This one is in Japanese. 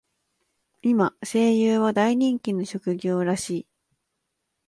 今、声優は大人気の職業らしい。